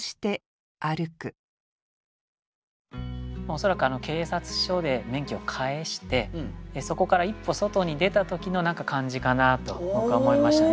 恐らく警察署で免許を返してそこから一歩外に出た時の感じかなと僕は思いましたね。